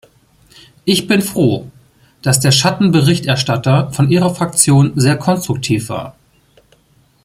Ich bin froh, dass der Schattenberichterstatter von ihrer Fraktion sehr konstruktiv war.